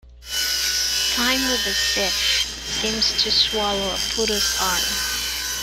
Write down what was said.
Time with a scythe seems to swallow a putti's arm.